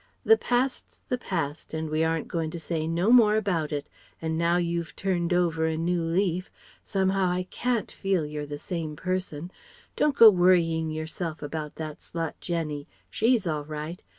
"The past's the past and we aren't going to say no more about it, and now you've turned over a new leaf somehow I can't feel you're the same person don't go worrying yourself about that slut Jenny. She's all right.